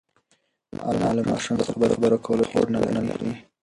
انا له ماشوم سره د خبرو کولو هېڅ هوډ نهلري.